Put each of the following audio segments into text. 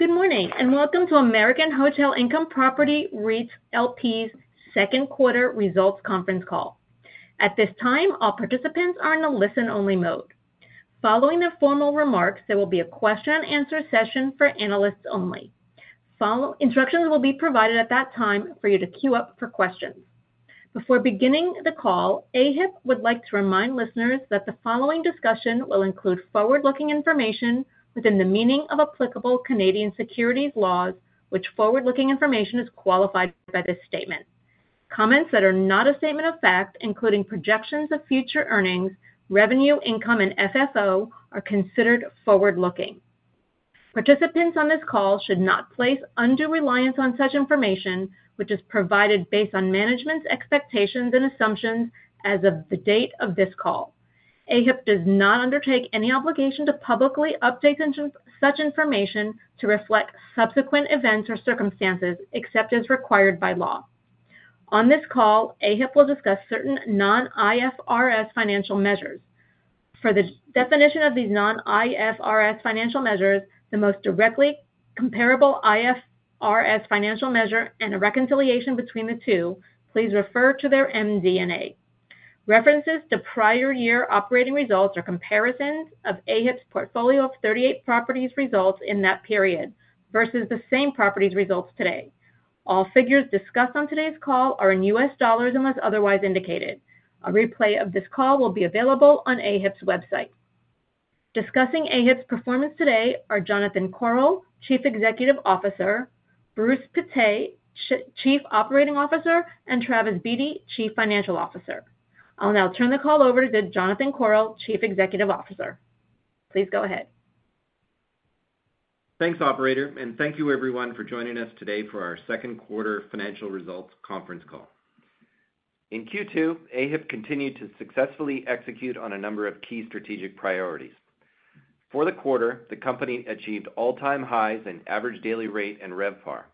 Good morning and welcome to AHIP's Second Quarter Results Conference Call. At this time, all participants are in a listen-only mode. Following the formal remarks, there will be a question-and-answer session for analysts only. Following instructions will be provided at that time for you to queue up for questions. Before beginning the call, AHIP would like to remind listeners that the following discussion will include forward-looking information within the meaning of applicable Canadian securities laws, which forward-looking information is qualified by this statement. Comments that are not a statement of fact, including projections of future earnings, revenue, income, and FFO, are considered forward-looking. Participants on this call should not place undue reliance on such information, which is provided based on management's expectations and assumptions as of the date of this call. AHIP does not undertake any obligation to publicly update such information to reflect subsequent events or circumstances except as required by law. On this call, AHIP will discuss certain non-IFRS financial measures. For the definition of these non-IFRS financial measures, the most directly comparable IFRS financial measure and a reconciliation between the two, please refer to their MD&A. References to prior year operating results are comparisons of AHIP's portfolio of 38 properties results in that period versus the same properties results today. All figures discussed on today's call are in US dollars unless otherwise indicated. A replay of this call will be available on AHIP's website. Discussing AHIP's performance today are Jonathan Korol, Chief Executive Officer; Bruce Pittet, Chief Operating Officer; and Travis Beatty, Chief Financial Officer. I'll now turn the call over to Jonathan Korol, Chief Executive Officer. Please go ahead. Thanks, Operator, and thank you everyone for joining us today for our second quarter financial results conference call. In Q2, AHIP continued to successfully execute on a number of key strategic priorities. For the quarter, the company achieved all-time highs in average daily rate and RevPAR.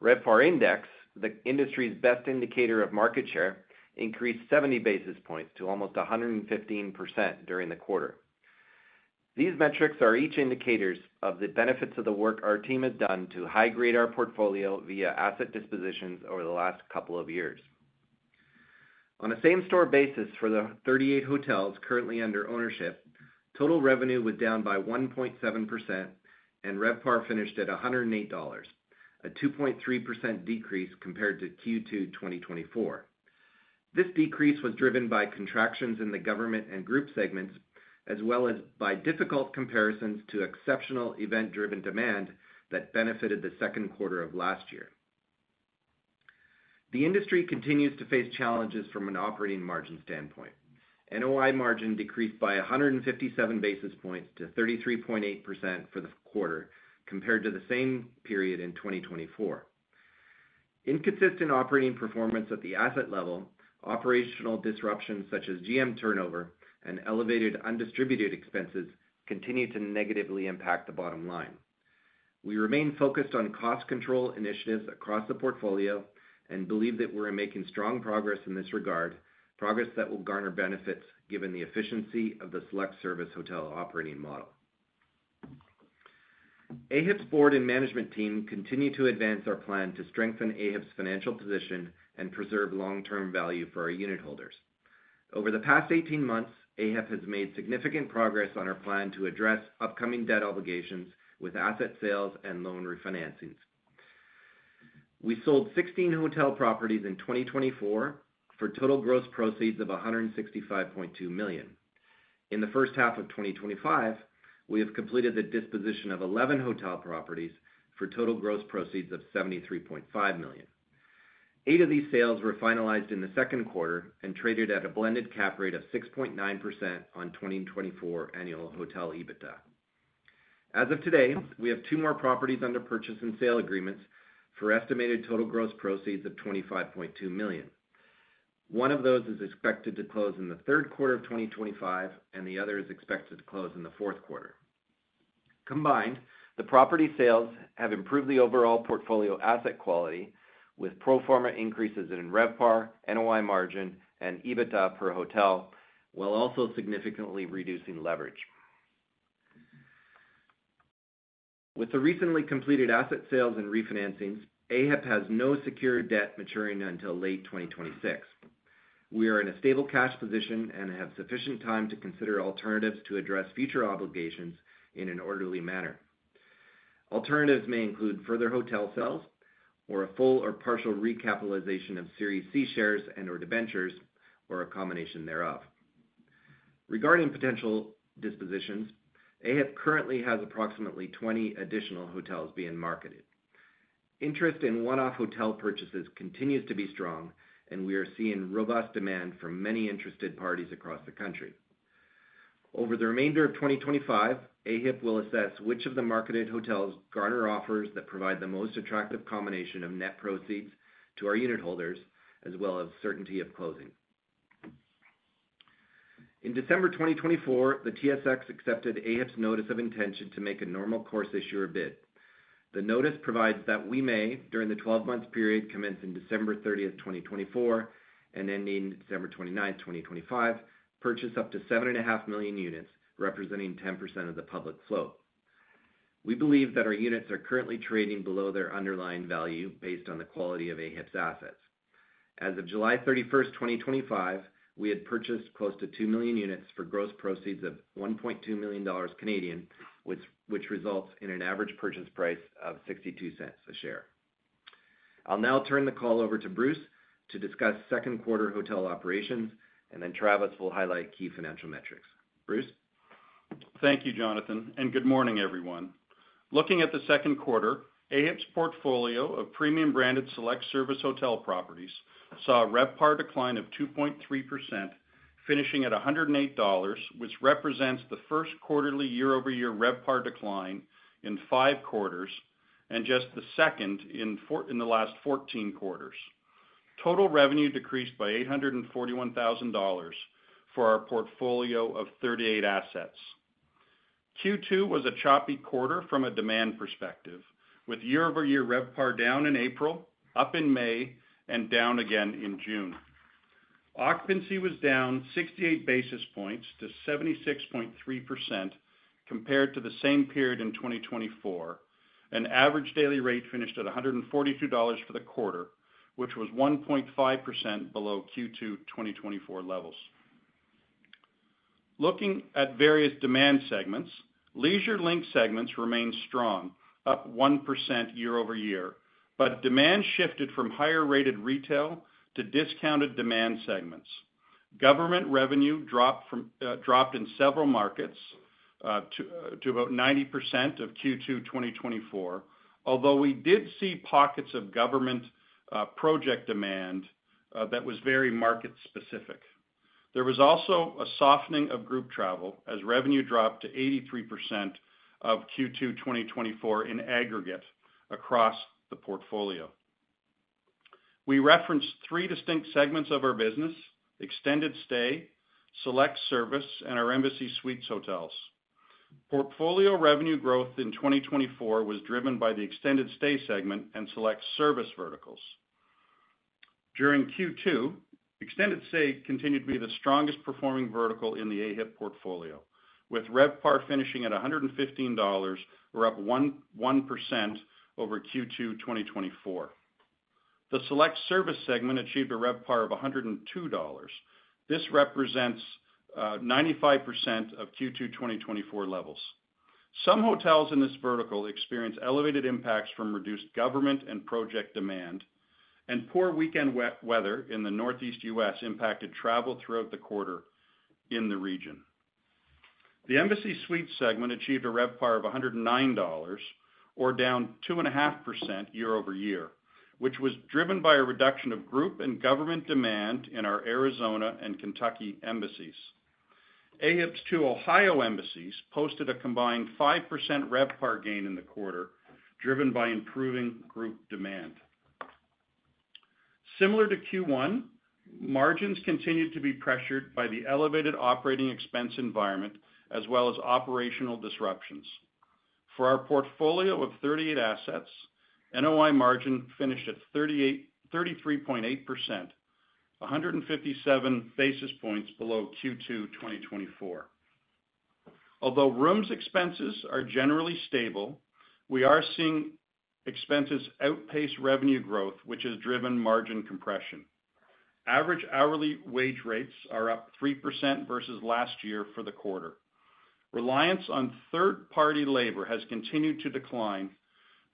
RevPAR index, the industry's best indicator of market share, increased 70 basis points to almost 115% during the quarter. These metrics are each indicators of the benefits of the work our team has done to high grade our portfolio via asset dispositions over the last couple of years. On a same-store basis for the 38 hotels currently under ownership, total revenue was down by 1.7% and RevPAR finished at $108, a 2.3% decrease compared to Q2 2024. This decrease was driven by contractions in the government and group segments, as well as by difficult comparisons to exceptional event-driven demand that benefited the second quarter of last year. The industry continues to face challenges from an operating margin standpoint. NOI margin decreased by 157 basis points to 33.8% for the quarter compared to the same period in 2024. Inconsistent operating performance at the asset level, operational disruptions such as GM turnover, and elevated undistributed expenses continue to negatively impact the bottom line. We remain focused on cost control initiatives across the portfolio and believe that we're making strong progress in this regard, progress that will garner benefits given the efficiency of the Select Service Hotels operating model. AHIP's board and management team continue to advance our plan to strengthen AHIP's financial position and preserve long-term value for our unitholders. Over the past 18 months, AHIP has made significant progress on our plan to address upcoming debt obligations with asset sales and loan refinancings. We sold 16 hotel properties in 2024 for total gross proceeds of $165.2 million. In the first half of 2025, we have completed the disposition of 11 hotel properties for total gross proceeds of $73.5 million. Eight of these sales were finalized in the second quarter and traded at a blended cap rate of 6.9% on 2024 annual hotel EBITDA. As of today, we have two more properties under purchase and sale agreements for estimated total gross proceeds of $25.2 million. One of those is expected to close in the third quarter of 2025, and the other is expected to close in the fourth quarter. Combined, the property sales have improved the overall portfolio asset quality with pro forma increases in RevPAR, NOI margin, and EBITDA per hotel, while also significantly reducing leverage. With the recently completed asset sales and refinancings, AHIP has no secured debt maturing until late 2026. We are in a stable cash position and have sufficient time to consider alternatives to address future obligations in an orderly manner. Alternatives may include further hotel sales or a full or partial recapitalization of Series C shares and/or debentures or a combination thereof. Regarding potential dispositions, AHIP currently has approximately 20 additional hotels being marketed. Interest in one-off hotel purchases continues to be strong, and we are seeing robust demand from many interested parties across the country. Over the remainder of 2025, AHIP will assess which of the marketed hotels garner offers that provide the most attractive combination of net proceeds to our unitholders as well as certainty of closing. In December 2024, the TSX accepted AHIP's notice of intention to make a normal course issuer bid. The notice provides that we may, during the 12-month period commencing December 30th, 2024 and ending December 29, 2025, purchase up to 7.5 million units, representing 10% of the public float. We believe that our units are currently trading below their underlying value based on the quality of AHIP's assets. As of July 31, 2025, we had purchased close to 2 million units for gross proceeds of 1.2 million Canadian dollars, which results in an average purchase price of $0.62 a share. I'll now turn the call over to Bruce to discuss second quarter hotel operations, and then Travis will highlight key financial metrics. Bruce? Thank you, Jonathan, and good morning, everyone. Looking at the second quarter, AHIP's portfolio of premium-branded Select Service Hotels saw a RevPAR decline of 2.3%, finishing at $108, which represents the first quarterly year-over-year RevPAR decline in five quarters and just the second in the last 14 quarters. Total revenue decreased by $841,000 for our portfolio of 38 assets. Q2 was a choppy quarter from a demand perspective, with year-over-year RevPAR down in April, up in May, and down again in June. Occupancy was down 68 basis points to 76.3% compared to the same period in 2024, and average daily rate finished at $142 for the quarter, which was 1.5% below Q2 2024 levels. Looking at various demand segments, leisure segments remained strong, up 1% year-over-year, but demand shifted from higher-rated retail to discounted demand segments. Government revenue dropped in several markets to about 90% of Q2 2024, although we did see pockets of government project demand that were very market-specific. There was also a softening of group travel as revenue dropped to 83% of Q2 2024 in aggregate across the portfolio. We referenced three distinct segments of our business: extended stay, Select Service, and our Embassy Suites hotels. Portfolio revenue growth in 2024 was driven by the extended stay segment and Select Service verticals. During Q2, extended stay continued to be the strongest performing vertical in the AHIP portfolio, with RevPAR finishing at $115, or up 1% over Q2 2024. The Select Service segment achieved a RevPAR of $102. This represents 95% of Q2 2024 levels. Some hotels in this vertical experienced elevated impacts from reduced government and project demand, and poor weekend weather in the Northeast U.S. impacted travel throughout the quarter in the region. The Embassy Suites segment achieved a RevPAR of $109, or down 2.5% year-over-year, which was driven by a reduction of group and government demand in our Arizona and Kentucky embassies. AHIP's two Ohio embassies posted a combined 5% RevPAR gain in the quarter, driven by improving group demand. Similar to Q1, margins continued to be pressured by the elevated operating expense environment as well as operational disruptions. For our portfolio of 38 assets, NOI margin finished at 33.8%, 157 basis points below Q2 2024. Although rooms expenses are generally stable, we are seeing expenses outpace revenue growth, which has driven margin compression. Average hourly wage rates are up 3% versus last year for the quarter. Reliance on third-party labor has continued to decline,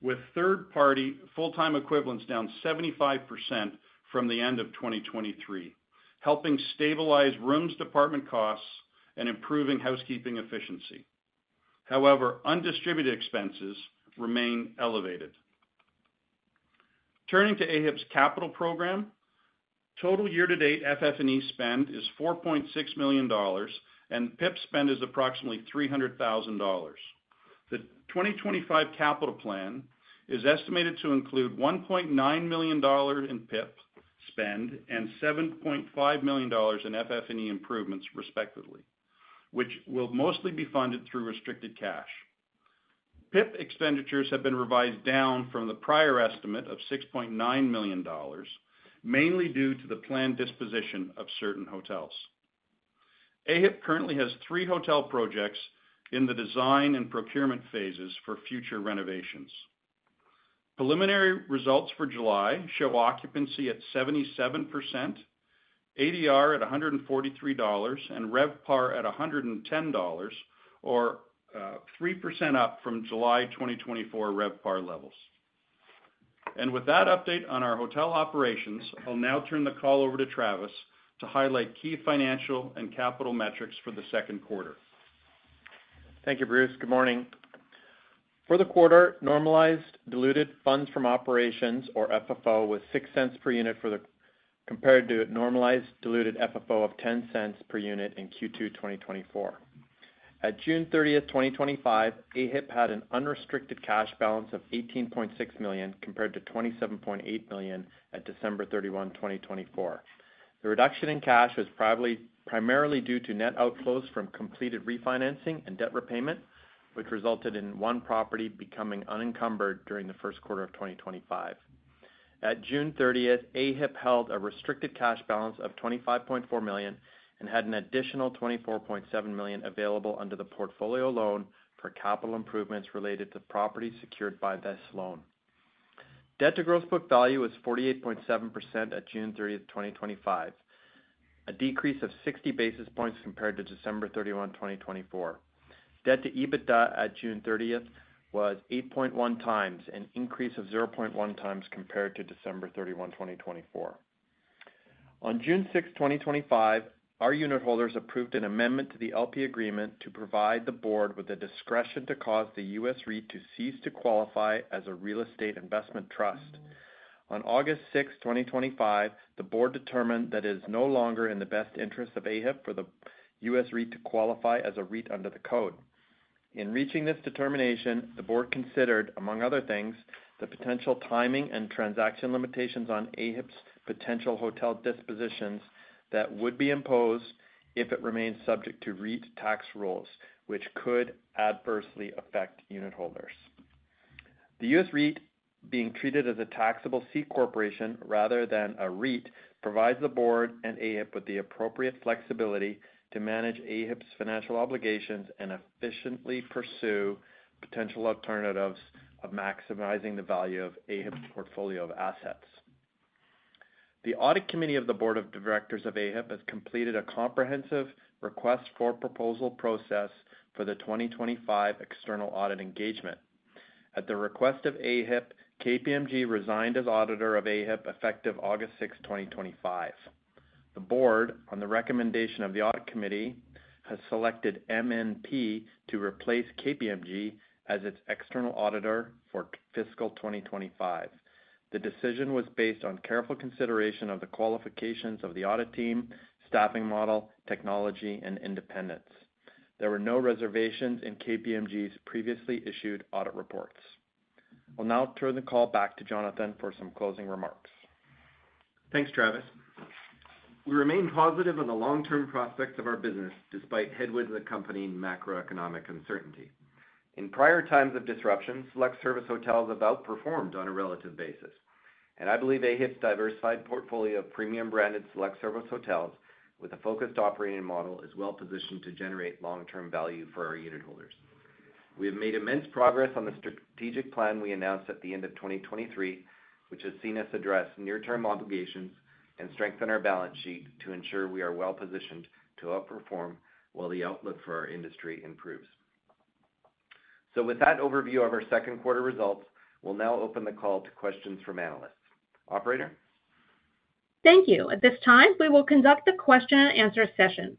with third-party full-time equivalents down 75% from the end of 2023, helping stabilize rooms department costs and improving housekeeping efficiency. However, undistributed expenses remain elevated. Turning to AHIP's capital program, total year-to-date FF&E spend is $4.6 million, and PIP spend is approximately $300,000. The 2025 capital plan is estimated to include $1.9 million in PIP spend and $7.5 million in FF&E improvements, respectively, which will mostly be funded through restricted cash. PIP expenditures have been revised down from the prior estimate of $6.9 million, mainly due to the planned disposition of certain hotels. AHIP currently has three hotel projects in the design and procurement phases for future renovations. Preliminary results for July show occupancy at 77%, ADR at $143, and RevPAR at $110, or 3% up from July 2024 RevPAR levels. With that update on our hotel operations, I'll now turn the call over to Travis to highlight key financial and capital metrics for the second quarter. Thank you, Bruce. Good morning. For the quarter, normalized diluted funds from operations, or FFO, was $0.06 per unit compared to a normalized diluted FFO of $0.10 per unit in Q2 2025. At June 30th, 2025 AHIP had an unrestricted cash balance of $18.6 million compared to $27.8 million at December 31, 2024. The reduction in cash was primarily due to net outflows from completed refinancing and debt repayment, which resulted in one property becoming unencumbered during the first quarter of 2025. At June 30th, AHIP held a restricted cash balance of $25.4 million and had an additional $24.7 million available under the portfolio loan for capital improvements related to properties secured by this loan. Debt-to-gross book value was 48.7% at June 30, 2025, a decrease of 60 basis points compared to December 31, 2024. Debt-to-EBITDA at June 30th was 8.1 times, an increase of 0.1 times compared to December 31, 2024. On June 6, 2025, our unitholders approved an amendment to the LP agreement to provide the Board with a discretion to cause the U.S. REIT to cease to qualify as a real estate investment trust. On August 6, 2025, the Board determined that it is no longer in the best interest of AHIP for the U.S. REIT to qualify as a REIT under the code. In reaching this determination, the Board considered, among other things, the potential timing and transaction limitations on AHIP's potential hotel dispositions that would be imposed if it remains subject to REIT tax rules, which could adversely affect unitholders. The U.S. REIT, being treated as a taxable C corporation rather than a REIT, provides the Board and AHIP with the appropriate flexibility to manage AHIP's financial obligations and efficiently pursue potential alternatives of maximizing the values of AHIP's portfolio of assets. The Audit Committee of board of directors of AHIP has completed a comprehensive request for proposal process for the 2025 external audit engagement. At the request of AHIP effective august 6, 2025. The Board, on the recommendation of the Audit Committee, has selected MNP to replace KPMG as its external auditor for fiscal 2025. The decision was based on careful consideration of the qualifications of the audit team, staffing model, technology, and independence. There were no reservations in KPMG's previously issued audit reports. I'll now turn the call back to Jonathan for some closing remarks. Thanks, Travis. We remain positive on the long-term prospects of our business despite headwinds accompanying macroeconomic uncertainty. In prior times of disruption, Select Service Hotels have outperformed on a believe AHIP's diversified portfolio of premium-branded Select Service Hotels with a focused operating model is well-positioned to generate long-term value for our unitholders. We have made immense progress on the strategic plan we announced at the end of 2023, which has seen us address near-term obligations and strengthen our balance sheet to ensure we are well-positioned to outperform while the outlook for our industry improves. With that overview of our second quarter results, we'll now open the call to questions from analysts. Operator? Thank you. At this time, we will conduct the question-and-answer session.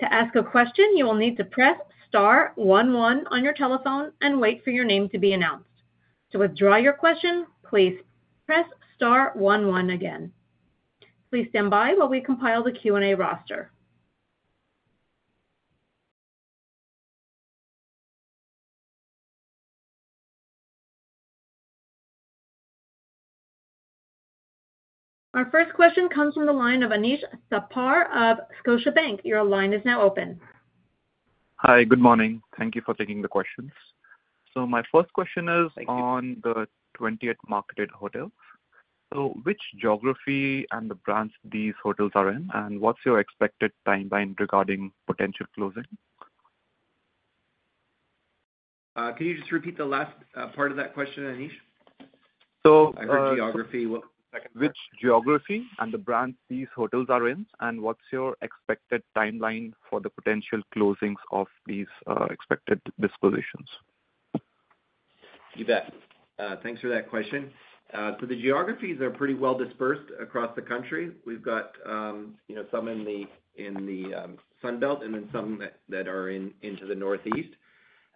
To ask a question, you will need to press star one one on your telephone and wait for your name to be announced. To withdraw your question, please press star one one again. Please stand by while we compile the Q&A roster. Our first question comes from the line of Anish Thapar of Scotiabank. Your line is now open. Hi, good morning. Thank you for taking the questions. My first question is on the 20 marketed hotels. Which geography and the brands these hotels are in, and what's your expected timeline regarding potential closing? Can you just repeat the last part of that question, Anish? Which geography and the brands these hotels are in, and what's your expected timeline for the potential closings of these expected dispositions? Thanks for that question. The geographies are pretty well dispersed across the country. We've got some in the Sunbelt and some that are in the Northeast.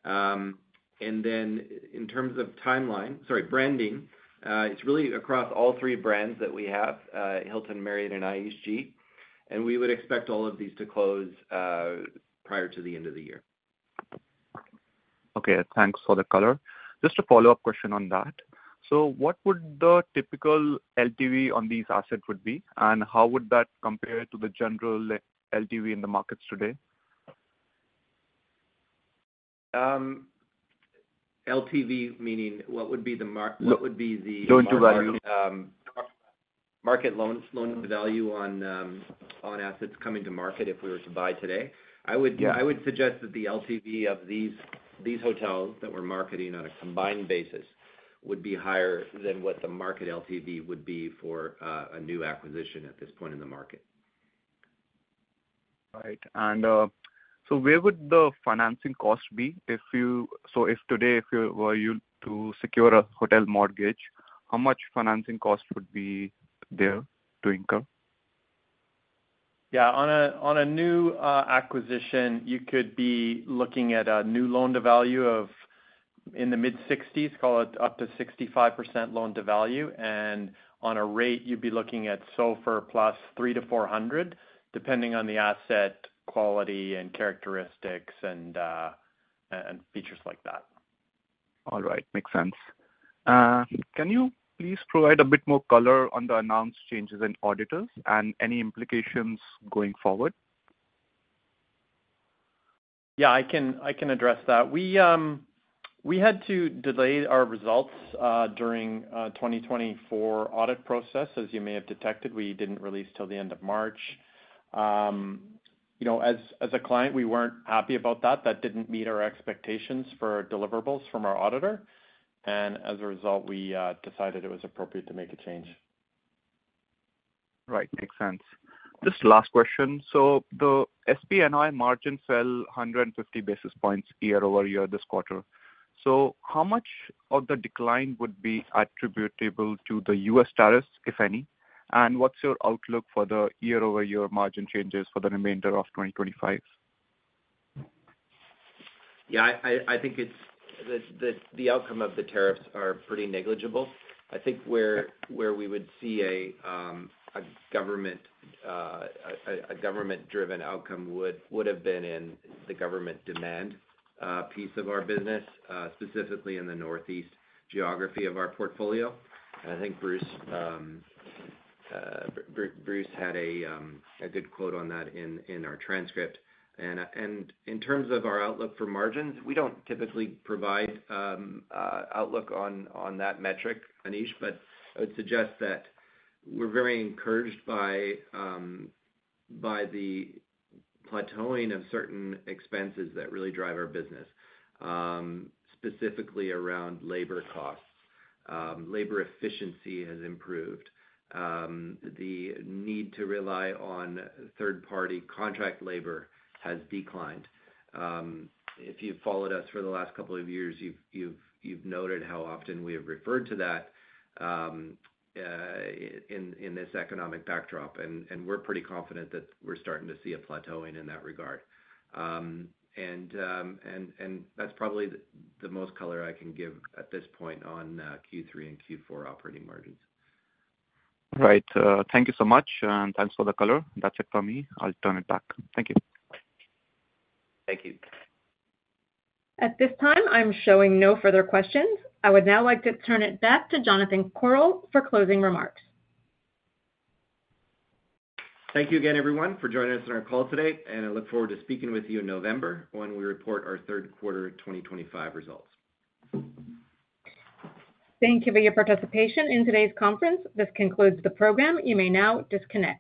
In terms of branding, it's really across all three brands that we have, Hilton, Marriott, and IHG Hotels, and we would expect all of these to close prior to the end of the year. Okay, thanks for the color. Just a follow-up question on that. What would the typical LTV on these assets be, and how would that compare to the general LTV in the markets today? LTV meaning what would be the market loan value on assets coming to market if we were to buy today? Yeah. I would suggest that the LTV of these hotels that we're marketing on a combined basis would be higher than what the market LTV would be for a new acquisition at this point in the market. All right. Where would the financing cost be? If you, if today you were to secure a hotel mortgage, how much financing cost would be there to incur? Yeah, on a new acquisition, you could be looking at a new loan-to-value of in the mid-60s, call it up to 65% loan-to-value, and on a rate, you'd be looking at SOFR +300 basis points-400 basis points, depending on the asset quality and characteristics and features like that. All right, makes sense. Can you please provide a bit more color on the announced changes in auditors and any implications going forward? Yeah, I can address that. We had to delay our results during the 2024 audit process. As you may have detected, we didn't release till the end of March. You know, as a client, we weren't happy about that. That didn't meet our expectations for deliverables from our auditor, and as a result, we decided it was appropriate to make a change. Right, makes sense. Just last question. The SB&I margin fell 150 basis points year-over-year this quarter. How much of the decline would be attributable to the U.S. tariffs, if any, and what's your outlook for the year-over-year margin changes for the remainder of 2025? I think the outcome of the tariffs are pretty negligible. I think where we would see a government-driven outcome would have been in the government demand piece of our business, specifically in the Northeast geography of our portfolio. I think Bruce had a good quote on that in our transcript. In terms of our outlook for margins, we don't typically provide an outlook on that metric, Anish, but I would suggest that we're very encouraged by the plateauing of certain expenses that really drive our business, specifically around labor costs. Labor efficiency has improved. The need to rely on third-party contract labor has declined. If you've followed us for the last couple of years, you've noted how often we have referred to that in this economic backdrop, and we're pretty confident that we're starting to see a plateauing in that regard. That's probably the most color I can give at this point on Q3 and Q4 operating margins. All right, thank you so much, and thanks for the color. That's it from me. I'll turn it back. Thank you. Thank you. At this time, I'm showing no further questions. I would now like to turn it back to Jonathan Korol for closing remarks. Thank you again, everyone, for joining us on our call today. I look forward to speaking with you in November when we report our third quarter 2025 results. Thank you for your participation in today's conference. This concludes the program. You may now disconnect.